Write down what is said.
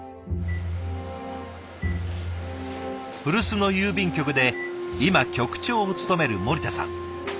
古巣の郵便局で今局長を務める森田さん。